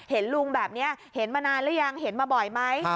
เห็นลุงแบบนี้เห็นมานานหรือยังเห็นมาบ่อยไหม